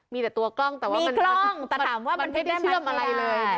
มีกล้องแต่ถามว่ามันไม่ได้เชื่อมอะไรเลย